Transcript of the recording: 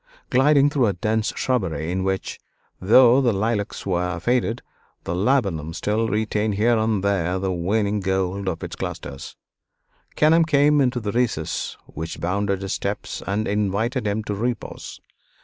Gliding through a dense shrubbery, in which, though the lilacs were faded, the laburnum still retained here and there the waning gold of its clusters, Kenelm came into a recess which bounded his steps and invited him to repose.